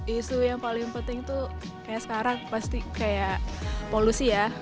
isu yang paling penting tuh kayak sekarang pasti kayak polusi ya